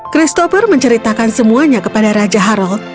christopher menceritakan semuanya kepada raja harald